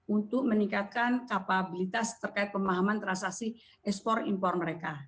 untuk meningkatkan kapabilitas terkait pemahaman transaksi ekspor impor mereka